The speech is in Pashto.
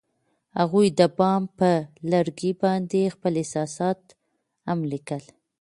هغوی د بام پر لرګي باندې خپل احساسات هم لیکل.